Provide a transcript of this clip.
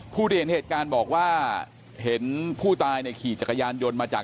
ผู้ที่เห็นเหตุการณ์บอกว่าเห็นผู้ตายเนี่ยขี่จักรยานยนต์มาจาก